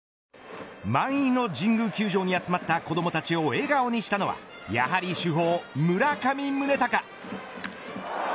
満員の神宮球場に集まった子どもたちを笑顔にしたのはやはり主砲、村上宗隆。